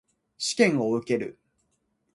試験を受ける。